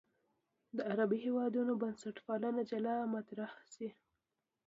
د عربي هېوادونو بنسټپالنه جلا مطرح شي.